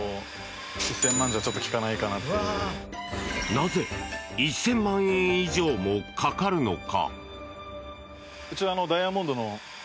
なぜ１０００万円以上もかかるのか。